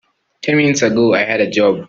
Ten minutes ago I had a job.